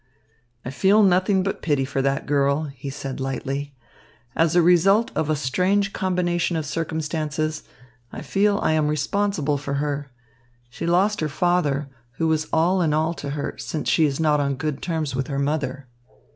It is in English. "I feel nothing but pity for that girl," he said lightly. "As a result of a strange combination of circumstances, I feel I am responsible for her. She lost her father, who was all in all to her, since she is not on good terms with her mother."